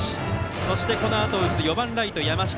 そして、このあとを打つ４番ライトの山下。